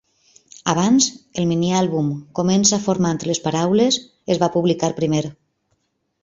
Abans, el mini àlbum "Comença formant les paraules" es va publicar primer.